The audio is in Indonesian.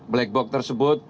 black box tersebut